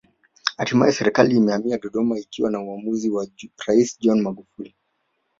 Hatimaye Serikali imehamia Dodoma ikiwa ni uamuzi wa Rais John Magufuli